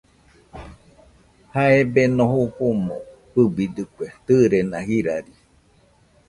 Jae Beno jofomo fɨbidekue tɨrena jirari.